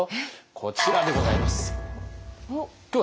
こちらでございます。